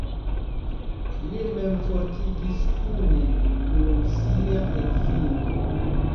Li memmortigis kune kun sia edzino.